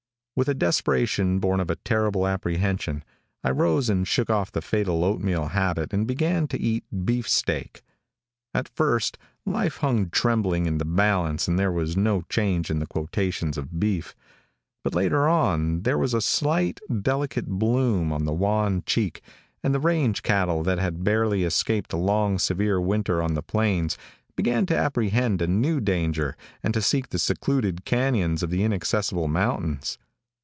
With a desperation born of a terrible apprehension, I rose and shook off the fatal oat meal habit and began to eat beefsteak. At first life hung trembling in the balance and there was no change in the quotations of beef, but later on there was a slight, delicate bloom on the wan cheek, and range cattle that had barely escaped a long, severe winter on the plains, began to apprehend a new danger and to seek the secluded canyons of the inaccessible mountains.